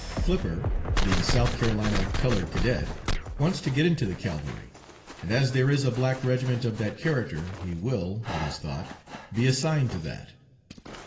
Flipper, the South Carolina colored cadet, wants to get into the cavalry, and as there is a black regiment of that character he will, it is thought, be assigned to that.